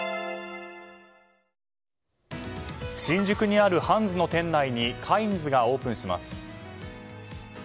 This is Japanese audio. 新宿にあるハンズの店内にカインズがオープンします。